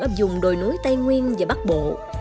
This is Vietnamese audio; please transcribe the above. ở dùng đồi núi tây nguyên và bắc bộ